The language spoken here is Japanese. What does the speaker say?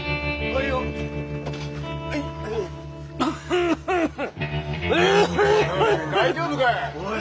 おい大丈夫かい？